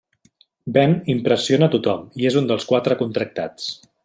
Ben impressiona a tothom i és un dels quatre contractats.